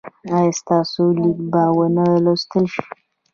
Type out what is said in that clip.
ایا ستاسو لیک به و نه لوستل شي؟